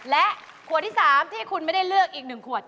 และขวดที่๓ที่คุณไม่ได้เลือกอีก๑ขวด